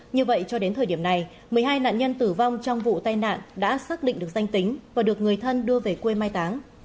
như vậy cho đến thời điểm này một mươi hai nạn nhân tử vong trong vụ tai nạn đã xác định được danh tính và được người thân đưa về quê mai táng